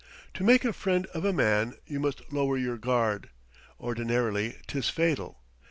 To make a friend of a man you must lower your guard. Ordinarily 'tis fatal.